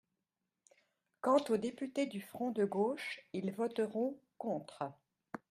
Quant aux députés du Front de gauche, ils voteront contre.